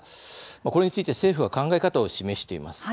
これについて政府は考え方を示しています。